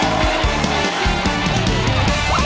ไอ้กะถิ่นที่เตรียมไว้เนี่ยไม่ต้อง